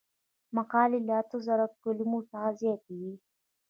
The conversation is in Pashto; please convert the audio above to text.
مقالې له اته زره کلمو څخه زیاتې وي.